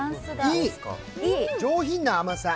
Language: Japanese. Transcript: いい、上品な甘さ。